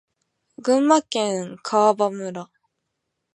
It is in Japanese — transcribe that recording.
群馬県川場村